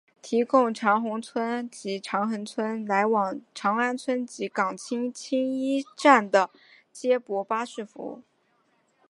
提供长宏邨及长亨邨来往长安邨及港铁青衣站的接驳巴士服务。